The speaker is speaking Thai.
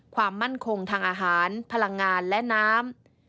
ความมั่นคงทางอาหารพลังงานและน้ำ